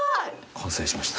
完成しました。